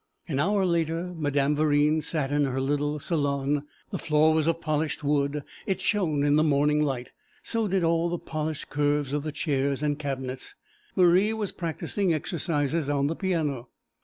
An hour later Madame Verine sat in her little salon. The floor was of polished wood; it shone in the morning light; so did all the polished curves of the chairs and cabinets. Marie was practising exercises on the piano.